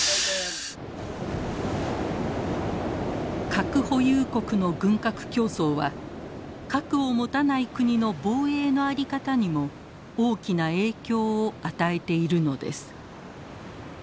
核保有国の軍拡競争は核を持たない国の防衛の在り方にも大きな影響を与えているのです。